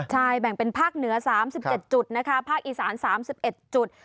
ใช่แบ่งเป็นภาคเหนือ๓๗จุดนะคะภาคอีสาน๓๑จุด